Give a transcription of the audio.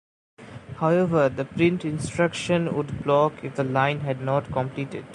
However, the print instruction would block if the line had not completed.